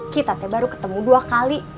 kita baru ketemu dua kali